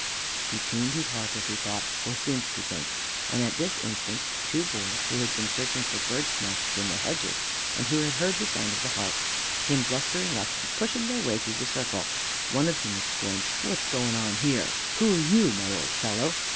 He tuned his harp, as he thought, or seemed to think, and at this instant two boys, who had been searching for birds' nests in the hedges and who had heard the sound of the harp, came blustering up, and pushing their way through the circle, one of them exclaimed, "What's going on here? Who are you, my old fellow?